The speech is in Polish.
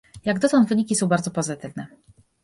Jak dotąd wyniki są bardzo pozytywne